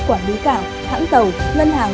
quản lý cảng hãng cầu ngân hàng